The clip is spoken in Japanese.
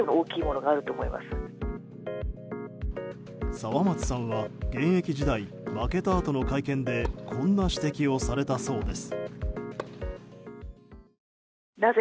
沢松さんは、現役時代負けたあとの会見でこんな指摘をされたそうです。